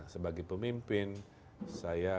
sebagai pemimpin saya